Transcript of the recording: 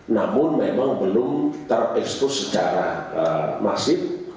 namun memang belum ter expose secara masif